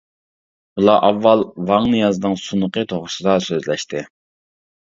ئۇلار ئاۋۋال ۋاڭ نىيازنىڭ سۇنۇقى توغرىسىدا سۆزلەشتى.